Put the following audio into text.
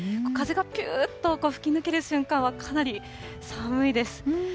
風がぴゅーっと吹き抜ける瞬間は、かなり寒いです。